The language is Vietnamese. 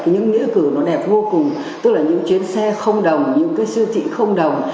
những nghĩa cử nó đẹp vô cùng tức là những chuyến xe không đồng những cái siêu thị không đồng